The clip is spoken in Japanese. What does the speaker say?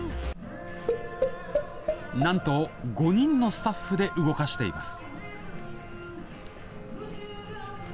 なんと５人のスタッフで動かしています。